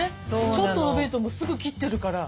ちょっと伸びるとすぐ切ってるから。